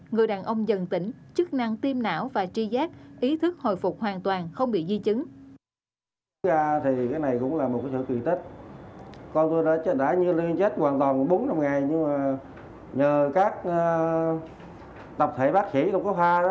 người đàn ông dần tỉnh chức năng tim não và tri giác ý thức hồi phục hoàn toàn không bị di chứng